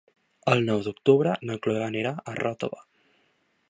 El nou d'octubre na Cloè anirà a Ròtova.